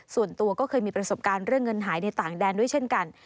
ส่วนตัวก็เคยมีประสบการณ์เรื่องเงินหายในต่างแดนด้วยเช่นกัน